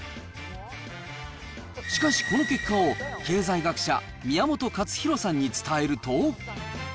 しかしこの結果を、経済学者、宮本勝浩さんに伝えると。